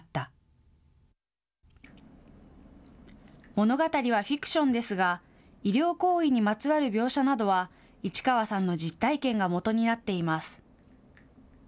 物語はフィクションですが医療行為にまつわる描写などは市川さんの実体験がもとになっています。